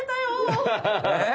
えっ？